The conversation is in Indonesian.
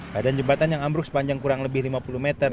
badan jembatan yang ambruk sepanjang kurang lebih lima puluh meter